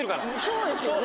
そうですよね。